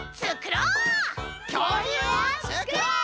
きょうりゅうをつくろう！